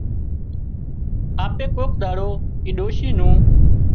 آپي ڪوڪ ۮاڙو اي ڏوشي نُون